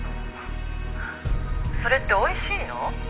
「それっておいしいの？」